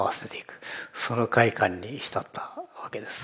その快感に浸ったわけです。